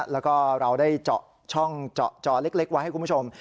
แล้วก็เราได้เจาะช่องเจาะจอเล็กไว้ให้คุณผู้ชม